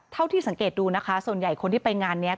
เท่าที่สังเกตดูนะคะส่วนใหญ่คนที่ไปงานนี้